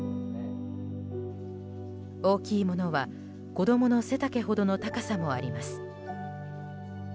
大きいものは子供の背丈ほどの高さもあります。